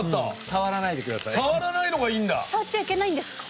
触っちゃいけないんですか。